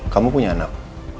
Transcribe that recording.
kamu punya anak